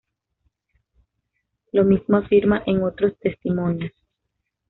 Lo mismo afirma en otros testimonios.